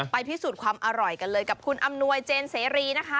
พิสูจน์ความอร่อยกันเลยกับคุณอำนวยเจนเสรีนะคะ